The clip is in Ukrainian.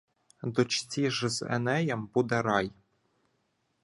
Дочці ж з Енеєм буде рай.